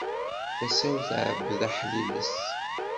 Tasa-w tɛebbed aḥliles.